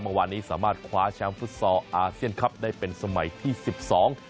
เมื่อวานนี้สามารถคว้าแชมป์ฟุตซอลอาเซียนคลับได้เป็นสมัยที่สิบสอง